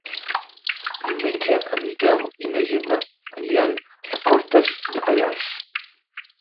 Diumenge en Miquel i na Gemma aniran a Cortes de Pallars.